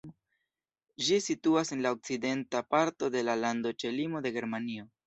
Ĝi situas en okcidenta parto de la lando ĉe limo de Germanio.